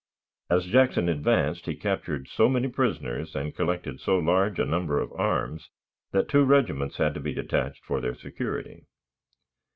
As Jackson advanced, he captured so many prisoners and collected so large a number of arms, that two regiments had to be detached for their security.